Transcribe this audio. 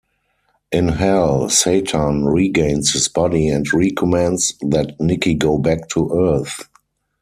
In Hell, Satan regains his body and recommends that Nicky go back to Earth.